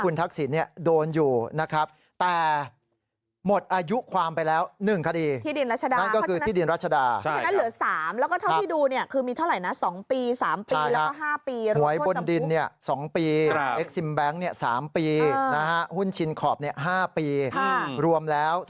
แล้วก็เท่าที่ดูเนี่ยคือมีเท่าไหร่นะ